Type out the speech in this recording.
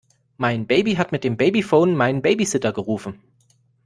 Mein Baby hat mit dem Babyphon meinen Babysitter gerufen.